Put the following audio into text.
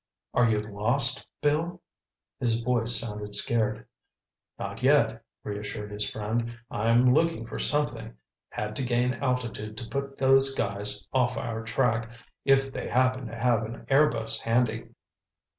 "Are you lost, Bill?" His voice sounded scared. "Not yet," reassured his friend. "I'm looking for something—had to gain altitude to put those guys off our track, if they happened to have an airbus handy."